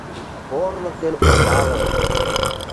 Порылык ден осаллык...